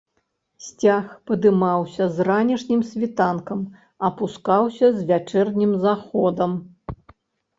Сцяг падымаўся з ранішнім світанкам, апускаўся з вячэрнім заходам.